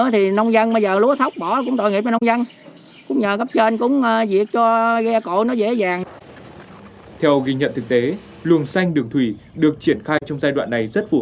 theo ghi nhận thực tế luồng xanh đường thủy được triển khai trong giai đoạn này rất phù hợp